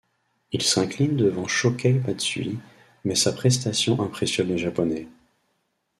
Il s'incline devant Shokei Matsui mais sa prestation impressionne les Japonais.